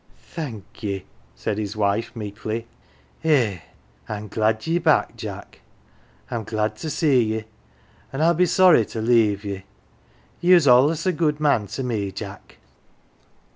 "Thank ye," said his wife, meekly. "Eh, Fin glad ye're back, Jack I'm glad to see ye 1 , an 1 I'll be sorry to leave ye ! Ye was allus a good man to me, Jack."